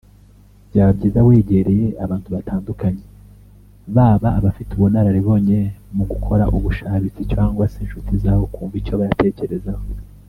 byaba byiza wegereye abantu batandukanye baba abafite ubunararibonye mu gukora ubushabitsi cyangwa se inshuti zawe ukumva icyo bayatekerezaho